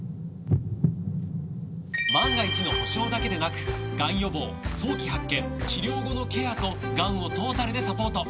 万が一の保障だけでなくがん予防早期発見治療後のケアとがんをトータルでサポート！